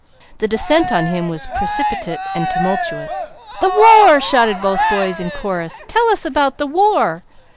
The descent on him was precipitate and tumultuous. "The war!" shouted both boys in chorus. "Tell us about the war!